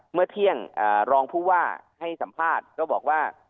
เมื่อเที่ยงรองผู้ว่าให้สัมภาษณ์ก็บอกว่า